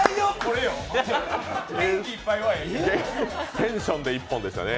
テンションで一本でしたね。